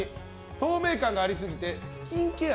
透明感がありすぎて、スキンケア